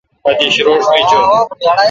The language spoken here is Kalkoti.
اتش روݭ می چو۔